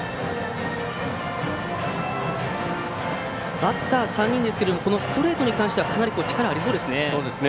バッター３人ですけどストレートに関してはかなり力がありそうですね。